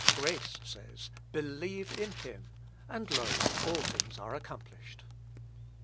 Grace says, Believe in him! And, lo! all things are accomplished.